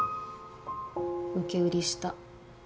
受け売りした。